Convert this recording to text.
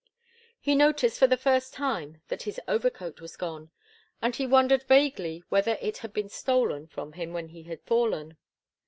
He noticed for the first time that his overcoat was gone, and he wondered vaguely whether it had been stolen from him when he had fallen.